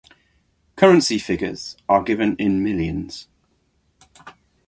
Currency figures are given in millions.